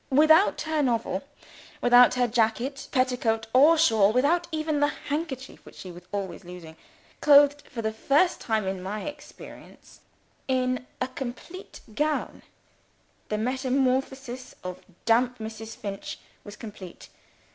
Without her novel, without her jacket, petticoat, or shawl, without even the handkerchief which she was always losing clothed, for the first time in my experience, in a complete gown the metamorphosis of damp Mrs. Finch was complete.